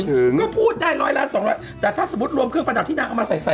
อืมก็พูดได้ร้อยล้านสองร้อยแต่ถ้าสมมุติรวมเครื่องประดับที่นางเอามาใส่ใส่